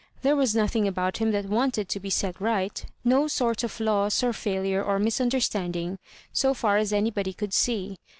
There was nothing about him that wanted to be set right, no sort of loss, or failure, or misunderstanding, so far as anybody could isee.